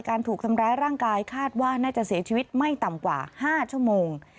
ถูกทำร้ายร่างกายคาดว่าน่าจะเสียชีวิตไม่ต่ำกว่า๕ชั่วโมง